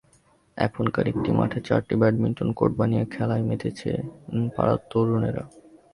এখনকার একটি মাঠে চারটি ব্যাডমিন্টন কোর্ট বানিয়ে খেলায় মেতেছেন পাড়ার তরুণেরা।